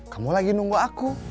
kamu lagi nunggu aku